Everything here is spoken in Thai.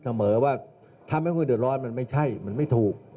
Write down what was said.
เหมือนว่าทำให้พวกมันเดินร้อนมันไม่ใช่มันไม่ถูก